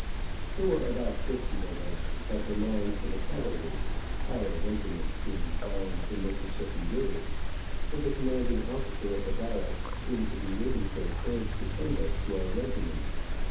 There were about fifty of us, that belonged to the cavalry, our regiments being down the Mississippi river, and the commanding officer of the barracks seemed to be waiting for a chance to send us to our regiments.